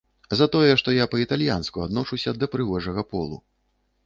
За тое, што я па-італьянску адношуся да прыгожага полу.